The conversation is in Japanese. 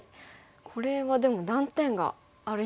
これはでも断点がありますね。